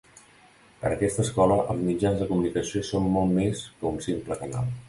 Per a aquesta escola els mitjans de comunicació són molt més que un simple canal.